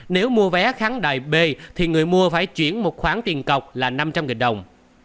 nếu mua vé thắng đại b thì người mua phải chuyển một khoản tiền cọc là năm trăm linh đồng